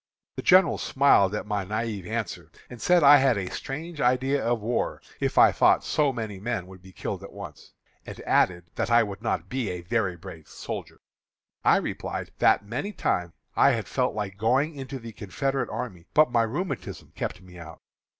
The general smiled at my naïve answer, and said I had a strange idea of war if I thought so many men would be killed at once, and added that I would not be a very brave soldier. I replied that many times I had felt like going into the Confederate army, but my rheumatism kept me out.